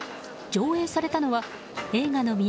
上映されたのは映画の都